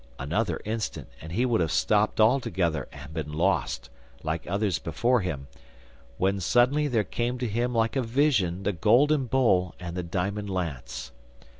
Another instant and he would have stopped altogether and been lost, like others before him, when suddenly there came to him like a vision the golden bowl and the diamond lance.